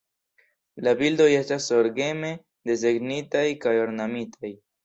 La bildoj estas zorgeme desegnitaj kaj ornamitaj.